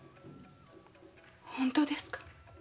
本当ですか？